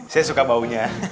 saya suka baunya